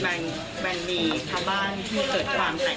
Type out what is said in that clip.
หลังจากผู้ชมไปฟังเสียงแม่น้องชมไป